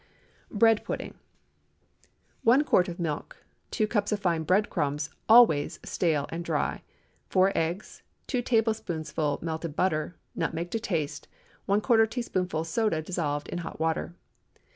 BREAD PUDDING. ✠ 1 quart of milk. 2 cups of fine bread crumbs—always stale and dry. 4 eggs. 2 tablespoonfuls melted butter. Nutmeg to taste. ¼ teaspoonful soda dissolved in hot water.